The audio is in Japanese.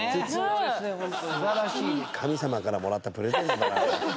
神様からもらったプレゼントだなあれは。